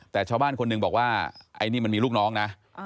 แต่ชาวบ้านคนหนึ่งบอกว่าไอ้นี่มันมีลูกน้องนะ